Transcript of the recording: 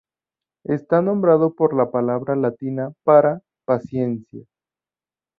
Está nombrado por la palabra latina para "paciencia".